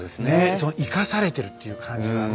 その生かされてるっていう感じはね。